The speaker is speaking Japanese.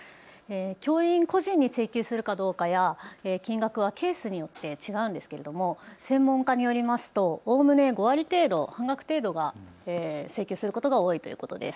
教員個人に請求するかどうかや金額はケースによって違うんですけれども専門家によるとおおむね５割程度、半額程度が請求することが多いということです。